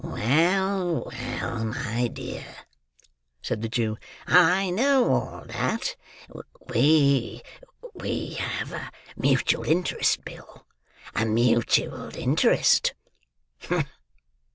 "Well, well, my dear," said the Jew, "I know all that; we—we—have a mutual interest, Bill,—a mutual interest."